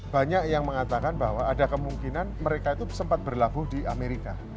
banyak yang mengatakan bahwa ada kemungkinan mereka itu sempat berlabuh di amerika